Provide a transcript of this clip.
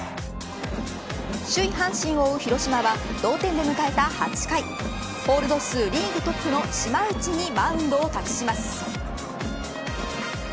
首位阪神を追う広島は同点で迎えた８回ホールド数リーグトップの島内にマウンドを託します。